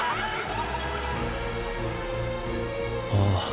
ああ